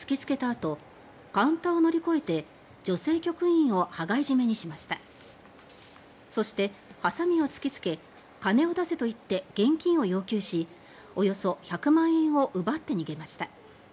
あとカウンターを乗り越えて女性局員を羽交い絞めにしましたそしてハサミを突き付け「金を出せ」と言って現金を要求しおよそ１００万円を奪って逃げました。